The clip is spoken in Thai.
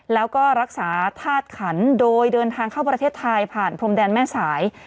แล้วก็รักษาธาตุขันโดยเดินทางเข้าประเทศไทยผ่านพรมแดนแม่สาย